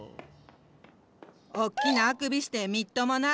おっきなあくびしてみっともな。